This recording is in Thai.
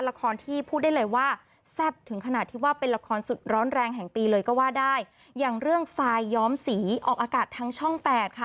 ละครที่พูดได้เลยว่าแซ่บถึงขนาดที่ว่าเป็นละครสุดร้อนแรงแห่งปีเลยก็ว่าได้อย่างเรื่องทรายย้อมสีออกอากาศทางช่องแปดค่ะ